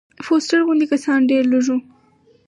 فوسټر غوندې کسان ډېر لږ وو.